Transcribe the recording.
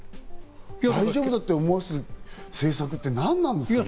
大丈夫って思わせる政策って何なんですかね。